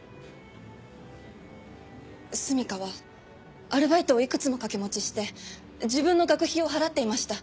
純夏はアルバイトをいくつも掛け持ちして自分の学費を払っていました。